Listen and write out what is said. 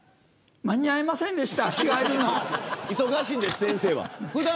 間に合いませんでした。